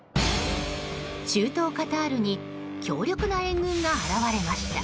中東カタールに強力な援軍が現れました。